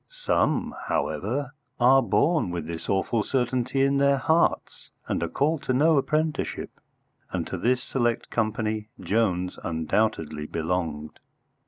Some, however, are born with this awful certainty in their hearts, and are called to no apprenticeship, and to this select company Jones undoubtedly belonged.